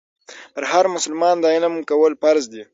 پر هر مسلمان د علم کول فرض دي.